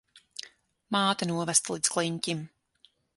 Māte novesta līdz kliņķim.